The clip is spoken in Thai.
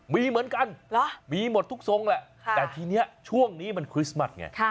มีเหมือนกันมีหมดทุกทรงแหละแต่ทีนี้ช่วงนี้มันคริสต์มัสไง